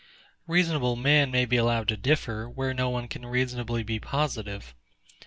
Reasonable men may be allowed to differ, where no one can reasonably be positive.